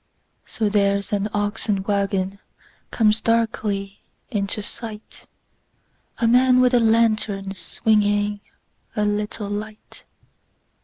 So, there's an oxen wagonComes darkly into sight:A man with a lantern, swingingA little light.